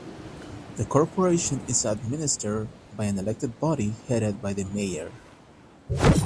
The Corporation is administered by an elected body headed by the Mayor.